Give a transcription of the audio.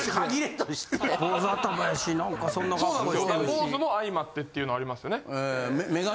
坊主も相まってっていうのありますよね。